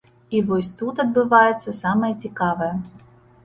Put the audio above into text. І вось тут адбывацца самае цікавае.